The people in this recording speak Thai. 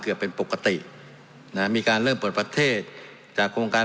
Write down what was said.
เป็นปกตินะฮะมีการเริ่มเปิดประเทศจากโครงการ